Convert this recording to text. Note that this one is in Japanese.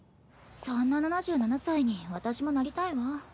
そんな７７歳に私もなりたいわ。